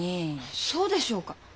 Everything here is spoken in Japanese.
そうでしょうか。